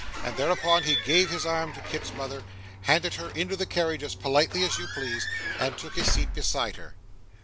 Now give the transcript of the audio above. And thereupon he gave his arm to Kit's mother, handed her into the carriage as politely as you please, and took his seat beside her.